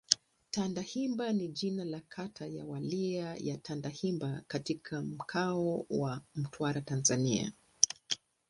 Tandahimba ni jina la kata ya Wilaya ya Tandahimba katika Mkoa wa Mtwara, Tanzania.